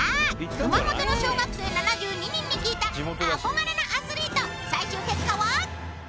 熊本の小学生７２人に聞いた憧れのアスリート最終結果は？